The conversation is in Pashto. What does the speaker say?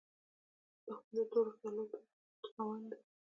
دښمن د تورو خیالاتو خاوند وي